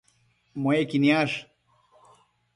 Muequi niash